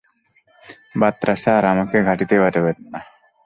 Batra sir, আমাকে ঘাঁটিতে পাঠাবেন না।